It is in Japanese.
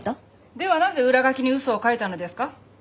ではなぜ裏書きにうそを書いたのですか？